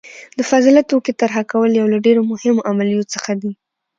د فاضله توکي طرحه کول یو له ډیرو مهمو عملیو څخه دي.